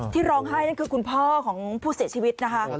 ที่ร้องไห้นั่นคือคุณพ่อของผู้เสียชีวิตนะคะ